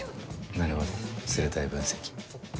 なるほど鋭い分析。